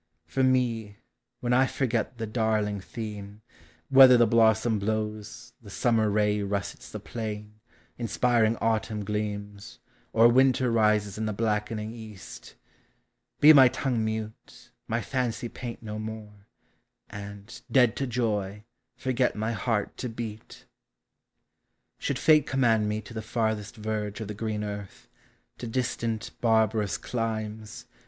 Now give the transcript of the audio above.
For me, when I forget the darling theme, Whether the blossom blows, the Summer ray Russets the plain, inspiring Autumn gleams, Or Winter rises in the blackening east, Be my tongue mule, my fancy paint no more, And, dead to joy, forget my liearl to beat: Should fate command me to the farthest verge Of the green earth, to distant barbarous clinics.